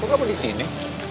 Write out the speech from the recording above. kok kamu disini